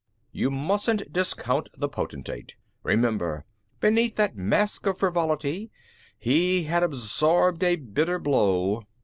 "You mustn't discount the Potentate! Remember, beneath that mask of frivolity, he had absorbed a bitter blow."